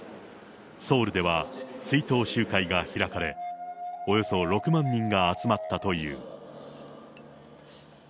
ソウルでは追悼集会が開かれ、およそ６万人が集まったという。